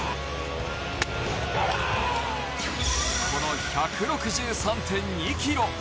この１６３．２キロ。